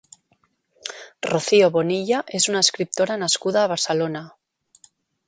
Rocío Bonilla és una escriptora nascuda a Barcelona.